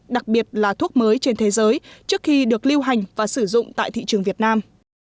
đặc biệt là thuốc mới trên thế giới trước khi được lưu hành và sử dụng tại thị trường việt nam